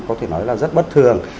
có thể nói là rất bất thường